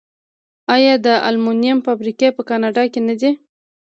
آیا د المونیم فابریکې په کاناډا کې نه دي؟